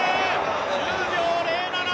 １０秒０７。